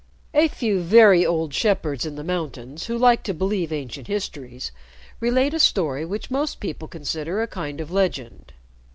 A few very old shepherds in the mountains who like to believe ancient histories relate a story which most people consider a kind of legend.